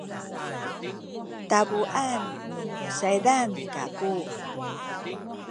tabuan nu saydan kaku